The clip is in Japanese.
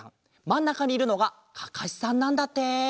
まんなかにいるのがかかしさんなんだって。